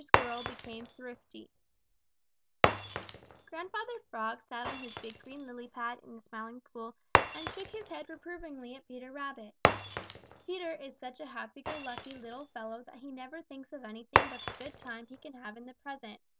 SQUIRREL BECAME THRIFTY Grandfather Frog sat on his big green lily pad in the Smiling Pool and shook his head reprovingly at Peter Rabbit. Peter is such a happy go lucky little fellow that he never thinks of anything but the good time he can have in the present.